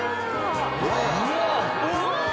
うわっ。